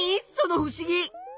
そのふしぎ。